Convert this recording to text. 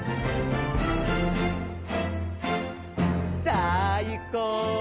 「さあいこう！